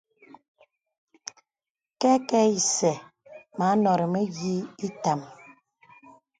Kɛkɛ̄ isɛ̂ mə anɔ̀rì mə̀yìì ìtām.